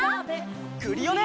クリオネ！